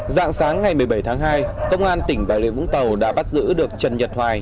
dạng sáng ngày một mươi bảy tháng hai công an tỉnh bà rịa vũng tàu đã bắt giữ được trần nhật hoài